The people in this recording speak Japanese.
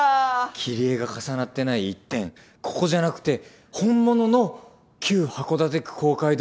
切り絵が重なってない一点ここじゃなくて本物の旧函館区公会堂の同じ位置に埋めた。